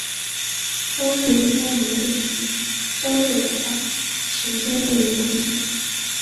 周日应该没问题，周六的话，时间会有点紧。